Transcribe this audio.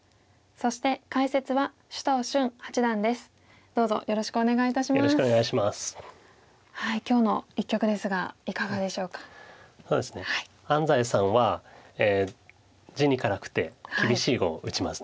そうですね安斎さんは地に辛くて厳しい碁を打ちます。